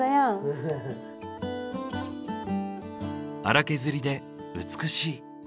荒削りで美しい。